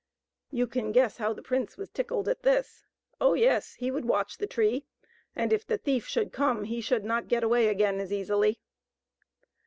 You can guess how the prince was tickled at this: oh, yes, he would watch the tree, and if the thief should come he should not get away again as easily.